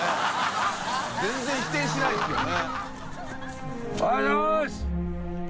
全然否定しないですよね。